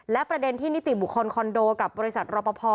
และประเด็นที่นิติบุคคลคอนโดกับบริษัทรอปภ